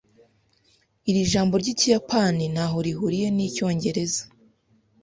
Iri jambo ry'ikiyapani ntaho rihuriye n'icyongereza.